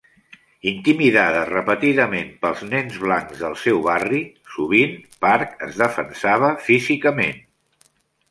Intimidada repetidament pels nens blancs del seu barri, sovint Park es defensava físicament.